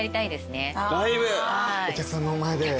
お客さんの前で。